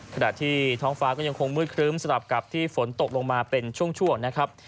ขณะที่ท้องฟ้าก็ยังคงมืดครึ้มสลับกับที่ฝนตกลงมาเป็นช่วงนะครับ